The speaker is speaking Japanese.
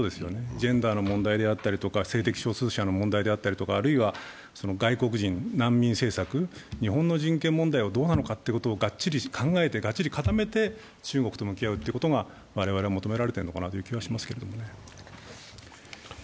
ジェンダーの問題や性的少数者の問題、あるいは外国人、難民政策、日本の人権問題はどうなのかということをがっちり考えてがっちり固めて中国と向き合うことが我々は求められているのかなという気はしますけれどもね。